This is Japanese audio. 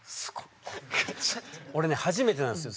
俺ね初めてなんですよ。